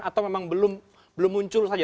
atau memang belum muncul saja